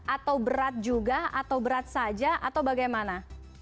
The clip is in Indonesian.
atau berat juga atau berat saja atau bagaimana